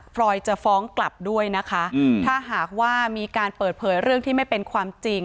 รอยจะฟ้องกลับด้วยนะคะถ้าหากว่ามีการเปิดเผยเรื่องที่ไม่เป็นความจริง